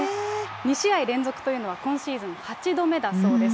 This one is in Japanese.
２試合連続というのは、今シーズン８度目だそうです。